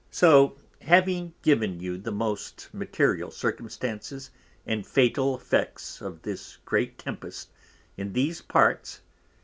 So having given you the most material Circumstances, and fatal Effects of this great Tempest in these Parts.